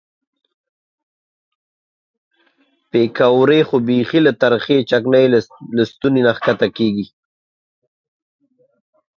پیکورې خو بیخي له ترخې چکنۍ له ستوني نه ښکته کېږي.